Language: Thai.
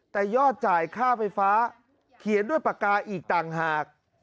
แต่ยอดจ่ายค่าไฟฟ้าเขียนด้วยปากกาอีกต่างหาก